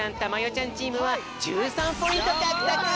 ちゃんチームは１３ポイントかくとく！